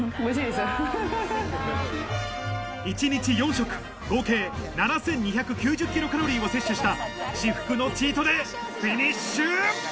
１日４食合計７２９０ｋｃａｌを摂取した至福のチートデイフィニッシュ！